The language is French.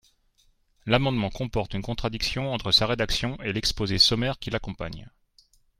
L’amendement comporte une contradiction entre sa rédaction et l’exposé sommaire qui l’accompagne.